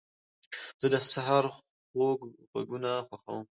زه د سهار خوږ غږونه خوښوم.